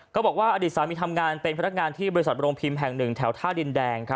บอกว่าอดีตสามีทำงานเป็นพนักงานที่บริษัทโรงพิมพ์แห่งหนึ่งแถวท่าดินแดง